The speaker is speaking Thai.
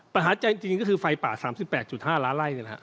ปัญหาใจจริงคือไฟป่า๓๘๕ล้าไล่เนี่ยนะครับ